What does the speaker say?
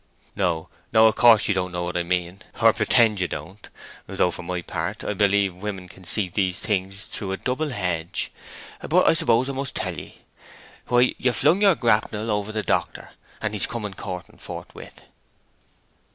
"No, no—of course you don't know what I mean, or you pretend you don't; though, for my part, I believe women can see these things through a double hedge. But I suppose I must tell ye. Why, you've flung your grapnel over the doctor, and he's coming courting forthwith."